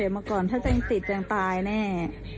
เสร็จมาก่อนถ้าเจ้ายังติดยังตายแน่